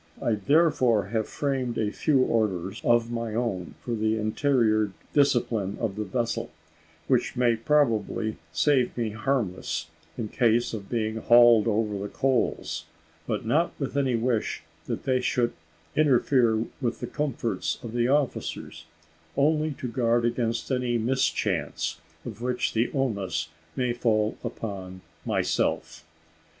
I therefore have framed a few orders of my own for the interior discipline of the vessel, which may probably save me harmless, in case of being hauled over the coals; but not with any wish that they should interfere with the comforts of the officers, only to guard against any mischance, of which the onus may fall upon myself."